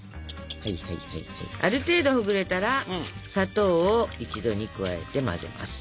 ある程度ほぐれたら砂糖を一度に加えて混ぜます。